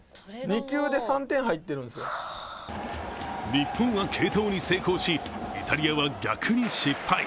日本は継投に成功しイタリアは逆に失敗。